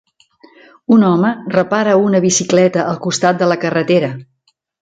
Un home repara una bicicleta al costat de la carretera.